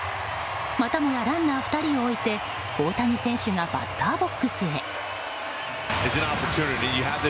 またもやランナー２人を置いて大谷選手がバッターボックスへ。